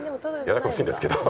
ややこしいんですけど。